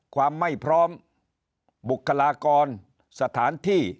ความไม่พร้อมบุคลากรสถานที่